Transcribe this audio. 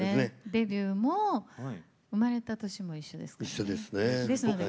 デビューも生まれた年も一緒ですね。